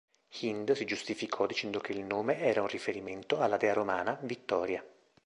Hind si giustificò dicendo che il nome era un riferimento alla dea romana Vittoria.